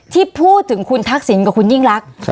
ที่พูดถึงคุณทักษิณกับคุณยิ่งรัก